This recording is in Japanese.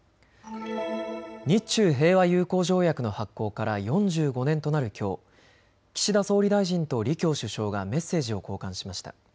日中平和友好条約の発効から４５年となるきょう、岸田総理大臣と李強首相がメッセージを交換しました。